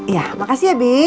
ya makasih ya bi